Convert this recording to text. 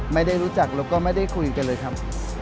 ไม่ได้รู้จักแล้วก็ไม่ได้คุยกันเลยครับ